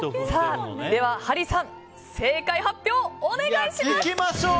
では、ハリーさん正解発表お願いします！